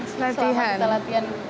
selama kita latihan